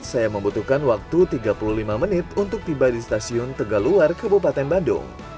saya membutuhkan waktu tiga puluh lima menit untuk tiba di stasiun tegaluar kabupaten bandung